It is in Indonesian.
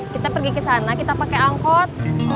kita pergi ke sana kita pakai angkot